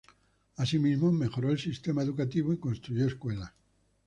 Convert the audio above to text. Asimismo, mejoró el sistema educativo y construyó escuelas.